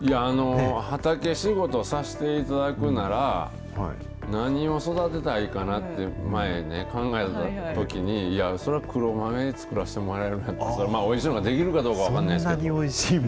畑仕事さしていただくなら、何を育てたいかなって、前ね、考えたときに、それは黒豆作らしてもらえるなら、それはおいしいものができるかどうか分かんないですけど。